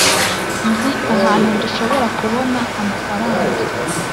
nzi ahantu dushobora kubona amafaranga